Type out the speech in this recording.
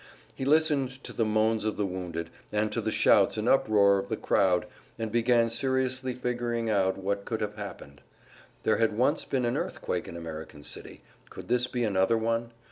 He listened to the moans of the wounded, and to the shouts and uproar of the crowd, and began seriously figuring out what could have happened. There had once been an earthquake in American City; could this be another one?